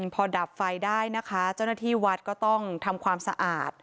พอดับไฟได้นะคะเจ้าหน้าที่วัดก็ต้องทำความสะอาด